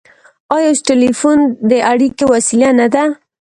آیا اوس ټیلیفون د اړیکې وسیله نه ده؟